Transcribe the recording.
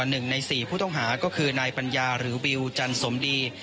เรียกตัว๑ใน๔ผู้ต้องหาก็คือนายปัญญาหรือบิวจันทร์สมดี